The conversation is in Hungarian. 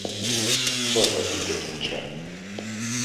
Bajazid öccse.